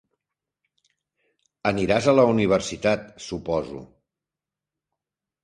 Aniràs a la universitat, suposo?